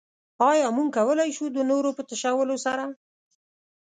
ايا موږ کولای شو د نورو په تشولو سره.